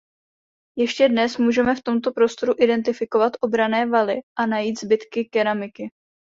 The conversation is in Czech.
Ještě dnes můžeme v tomto prostoru identifikovat obranné valy a najít zbytky keramiky.